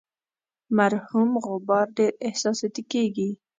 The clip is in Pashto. مرحوم غبار ډیر احساساتي کیږي.